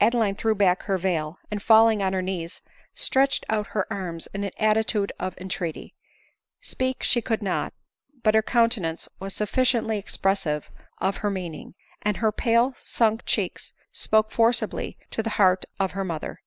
Adeline threw back her veil, and falling on her knees, stretched out her arms in an attitude of entreaty ; speak she could not, but her countenance was sufficiently expres sive of her meaning ; and her pale sunk cheek spoke 124 ADELINE MOWBRAY. forcibly to the heart of her mother.